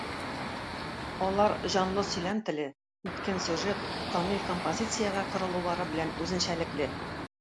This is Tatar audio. Алар җанлы сөйләм теле, үткен сюжет, камил композициягә корылулары белән үзенчәлекле.